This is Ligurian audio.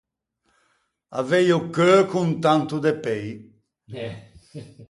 Avei o cheu con tanto de pei.